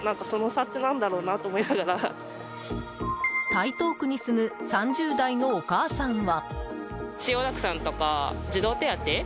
台東区に住む３０代のお母さんは。